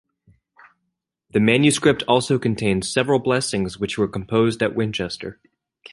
The manuscript also contains several blessings which were composed at Winchester.